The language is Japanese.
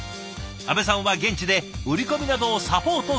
阿部さんは現地で売り込みなどをサポートするんだとか。